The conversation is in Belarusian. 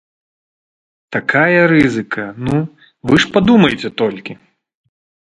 Такая рызыка, ну, вы ж падумайце толькі!